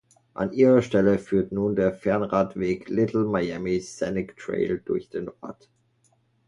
An ihrer Stelle führt nun der Fernradweg Little Miami Scenic Trail durch den Ort.